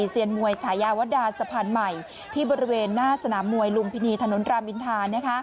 เซียนมวยฉายาวดาสะพานใหม่ที่บริเวณหน้าสนามมวยลุมพินีถนนรามอินทา